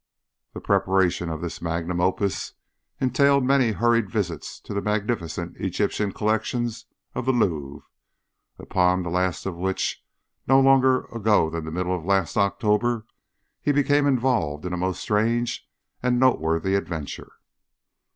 The preparation of this magnum opus entailed many hurried visits to the magnificent Egyptian collections of the Louvre, upon the last of which, no longer ago than the middle of last October, he became involved in a most strange and noteworthy adventure.